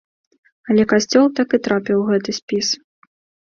Але касцёл так і трапіў у гэты спіс.